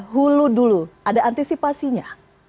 hulu dulu ada antisipasinya